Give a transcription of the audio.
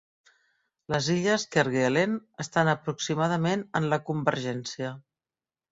Les illes Kerguelen estan aproximadament en la convergència.